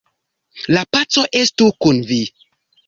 La paco estu kun vi!